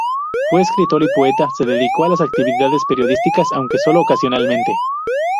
Fue escritor y poeta; se dedicó a las actividades periodísticas, aunque sólo ocasionalmente.